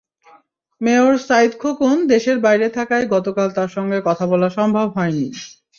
Mayor Sayeed Khokon দেশের বাইরে থাকায় গতকাল তাঁর সঙ্গে কথা বলা সম্ভব হয়নি।